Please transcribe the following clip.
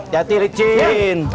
ganti depan ya lama lama